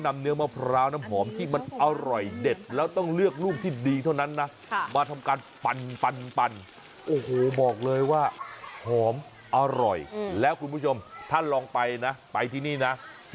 มะพร้าวปั่น